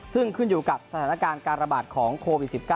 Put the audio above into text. ซึ่งขึ้นอยู่กับสถานการณ์การระบาดของโควิด๑๙